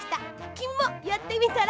きみもやってみたら？